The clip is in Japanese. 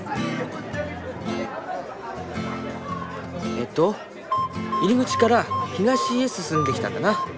えと入り口から東へ進んできたんだな。